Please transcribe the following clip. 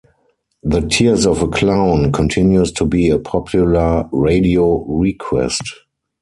"The Tears of a Clown" continues to be a popular radio request.